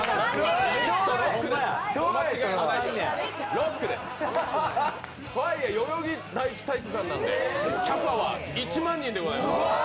ロックです、代々木第一体育館なんでキャパは１万人でございます。